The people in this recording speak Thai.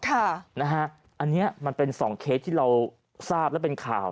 อันนี้มันเป็น๒เคสที่เราทราบและเป็นข่าว